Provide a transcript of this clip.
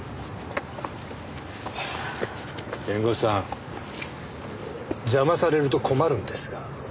弁護士さん邪魔されると困るんですが。